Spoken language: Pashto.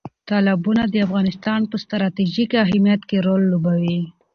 تالابونه د افغانستان په ستراتیژیک اهمیت کې رول لوبوي.